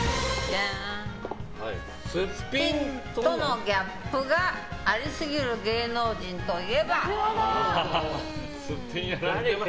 スッピンとのギャップがありすぎる芸能人といえば？